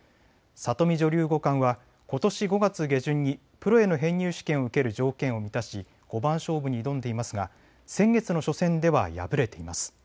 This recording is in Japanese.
里見女流五冠はことし５月下旬にプロへの編入試験を受ける条件を満たし五番勝負に挑んでいますが先月の初戦では敗れています。